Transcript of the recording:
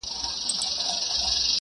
چي غوږونو ته مي شرنګ د پایل راسي!